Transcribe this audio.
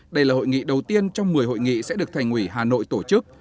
đây là hội nghị đầu tiên trong một mươi hội nghị sẽ được thành ủy hà nội tổ chức